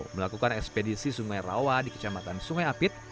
melakukan ekspedisi sungai rawa di kecamatan sungai apit